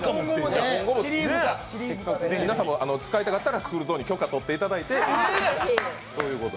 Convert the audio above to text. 皆さんも使いたかったらスクールゾーンに許可を取っていただいて。